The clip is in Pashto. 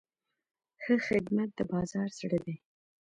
ښه خدمت د بازار زړه دی.